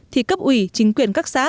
thì cấp ủy chính quyền các xã